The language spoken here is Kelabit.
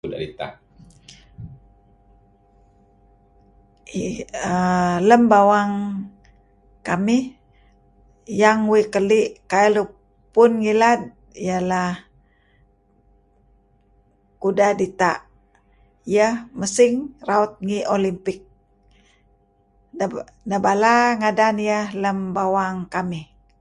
Lem bawang kamih yang uih keli' kail upun ngilad ialah Kuda' Dita'. Iyeh mesing raut ngi Olympics. Neh bala neh ngadan iyeh lem bawang kamih.